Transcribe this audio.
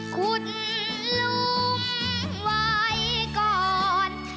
คุณลุงไว้ก่อน